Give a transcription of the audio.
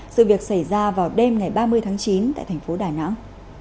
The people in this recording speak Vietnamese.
sự việc xảy ra vào đêm ngày ba mươi tháng chín tại thành phố đà nẵng